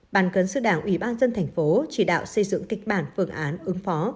bàn cấn sự đảng ủy ban dân thành phố chỉ đạo xây dựng kịch bản phương án ứng phó